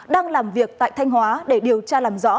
đang làm việc tại thanh hóa để điều tra làm rõ